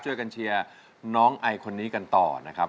เชียร์น้องไอคนนี้กันต่อนะครับ